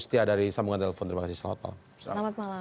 saya ustia dari sambungan telepon terima kasih selamat malam